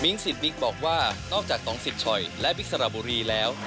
มิงซิดมิกบอกว่านอกจากตรงสิดชอยและบิ๊กสระบุรีแล้ว